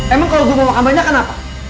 emang kalau gue mau makan banyak kenapa